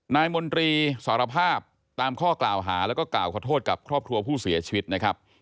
มนตรีสารภาพตามข้อกล่าวหาแล้วก็กล่าวขอโทษกับครอบครัวผู้เสียชีวิตนะครับ